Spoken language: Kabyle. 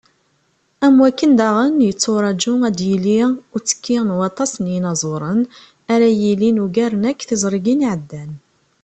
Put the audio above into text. Am wakken daɣen, yetturaǧu ad d-yili uttekki n waṭas n yinaẓuren, ara yilin ugaren akk tizrigin i iɛeddan.